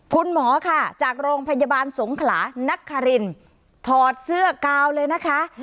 คุณหมอค่ะจากโรงพยาบาลสงขลานักคารินถอดเสื้อกาวเลยนะคะ